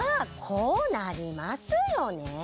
こうなりますよね